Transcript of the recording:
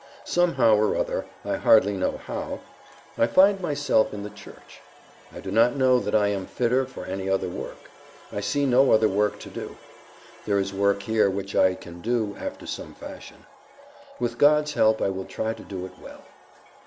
Somehow or other, I hardly know how, I find myself in the Church. I do not know that I am fitter for any other work. I see no other work to do. There is work here which I can do after some fashion. With God's help I will try to do it well."